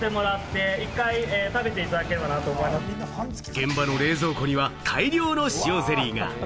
現場の冷蔵庫には大量のしおゼリーが。